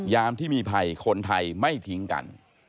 ยามที่มีภัยคนไทยไม่ทิ้งกัน